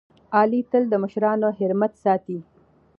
علي تل د مشرانو حرمت ساتي.